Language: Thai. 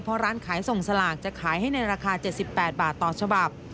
เพราะร้านขายส่งสลากจะขายให้ในราคา๗๘บาทต่อฉบับ